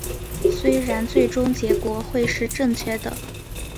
虽然最终结果会是正确的